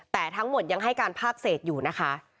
แต่ทั้งหมดยังให้การภาคเศษอยู่นะคะ